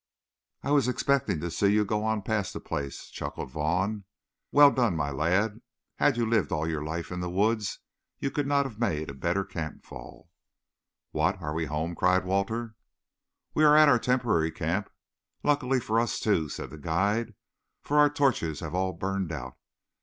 "I was expecting to see you go on past the place," chuckled Vaughn. "Well done, my lad! Had you lived all your life in the woods you could not have made a better campfall." "What, are we home?" cried Walter. "We are at our temporary camp. Luckily for us, too," said the guide, "for our torches have all burned out.